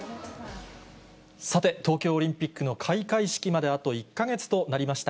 さて、東京オリンピックの開会式まであと１か月となりました。